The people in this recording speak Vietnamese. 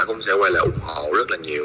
cũng sẽ quay lại ủng hộ rất là nhiều